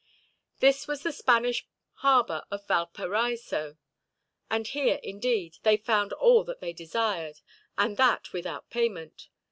This was the Spanish harbor of Valparaiso, and here, indeed, they found all that they desired, and that without payment.